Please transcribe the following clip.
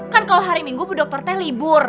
kan kalau hari minggu bu dokter teh libur